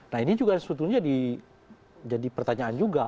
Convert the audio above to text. nah ini juga sebetulnya jadi pertanyaan juga